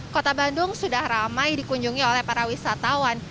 kota bandung sudah ramai dikunjungi oleh para wisatawan